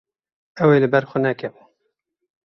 Ew ê li ber xwe nekeve.